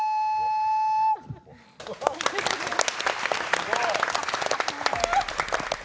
すごい！